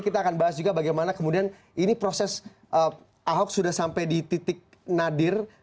kita akan bahas juga bagaimana kemudian ini proses ahok sudah sampai di titik nadir